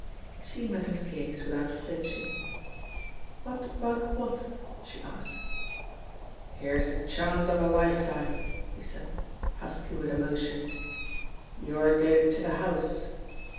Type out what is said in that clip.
She met his gaze without flinching. "What about what?" she asked. "Here's the chance of a lifetime," he said, husky with emotion. "You're going to the house.